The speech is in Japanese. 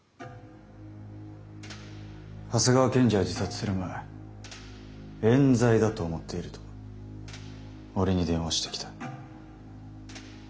長谷川検事は自殺する前えん罪だと思っていると俺に電話してきた。